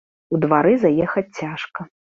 У двары заехаць цяжка.